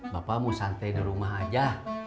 bapak mau santai di rumah aja